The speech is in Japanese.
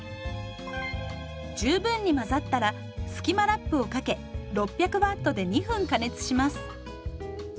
十分に混ざったらスキマラップをかけ６００Ｗで２分加熱します。